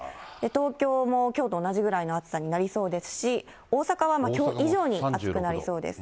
東京もきょうと同じくらいの暑さになりそうですし、大阪はきょう以上に暑くなりそうです。